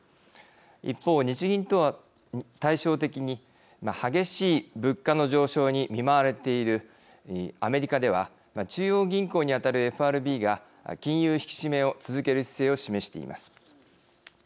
一方、日銀とは対照的に激しい物価の上昇に見舞われているアメリカでは中央銀行に当たるＦＲＢが金融引き締めを続ける姿勢を示しています。